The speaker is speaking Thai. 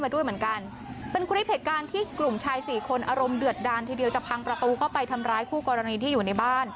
โดดโดดโดด